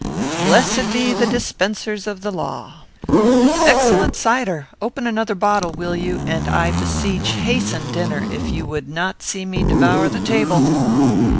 Blessed be the dispensers of law! Excellent cider! open another bottle, will you, and, I beseech, hasten dinner, if you would not see me devour the table."